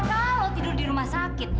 kalau tidur di rumah sakit